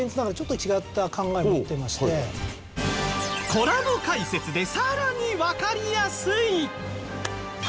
コラボ解説でさらにわかりやすい！